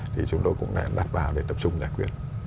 thì chúng tôi cũng đã đặt vào để tập trung giải quyết